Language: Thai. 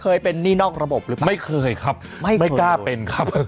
หนี้นอกระบบหรือเปล่าไม่เคยครับไม่กล้าเป็นครับ